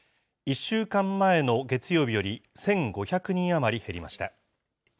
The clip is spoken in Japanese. １週間前の月曜日より１５００人余り減りました。